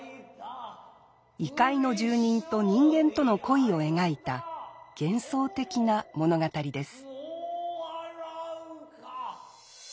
異界の住人と人間との恋を描いた幻想的な物語です。